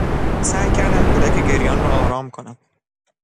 سعی کردم کودک گریان را آرام کنم.